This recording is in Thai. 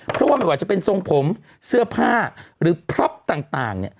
เพราะว่าไม่ว่าจะเป็นทรงผมเสื้อผ้าหรือพร็อปต่างเนี่ย